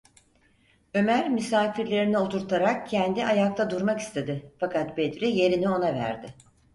Ömer misafirlerini oturtarak kendi ayakta durmak istedi, fakat Bedri yerini ona verdi.